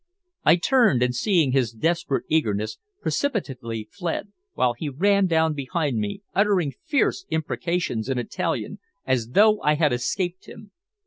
I turned, and seeing his desperate eagerness, precipitately fled, while he ran down behind me, uttering fierce imprecations in Italian, as though I had escaped him.